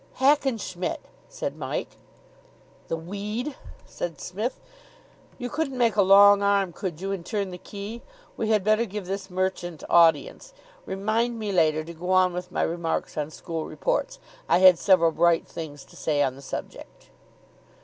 "Hackenschmidt!" said Mike. "The weed," said Psmith. "You couldn't make a long arm, could you, and turn the key? We had better give this merchant audience. Remind me later to go on with my remarks on school reports. I had several bright things to say on the subject."